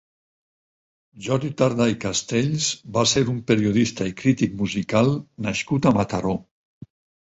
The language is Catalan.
Jordi Tardà i Castells va ser un periodista i crític musical nascut a Mataró.